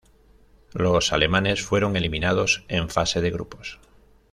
Los alemanes fueron eliminados en fase de grupos.